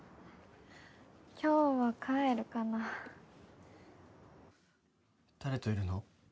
今日は帰るかな誰といるの？